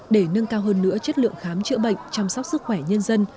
để nâng cao hơn nữa chất lượng khám chữa bệnh chăm sóc sức khỏe nhân dân